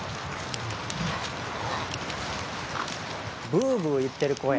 ブーブーいってる声。